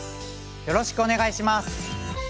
よろしくお願いします！